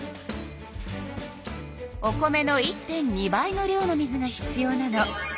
お米の１．２倍の量の水が必要なの。